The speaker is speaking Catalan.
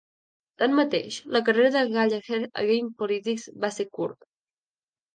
Tanmateix, la carrera de Gallagher a GamePolitics va ser curta.